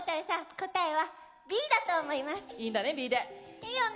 いいよね？